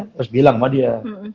terus bilang sama dia